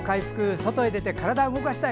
外へ出て体を動かしたい。